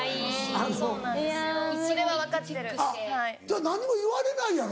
あっ何にも言われないやろ？